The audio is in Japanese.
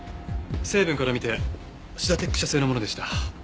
成分から見てシダテック社製のものでした。